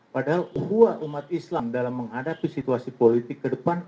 padahal uhwah umat islam dalam menghadapi situasi politik kedepan